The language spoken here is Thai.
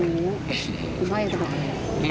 คุณพ่อยังจะบอกอะไร